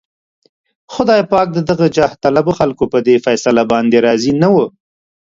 خدای پاک د دغو جاهطلبو خلکو په دې فيصله باندې راضي نه و.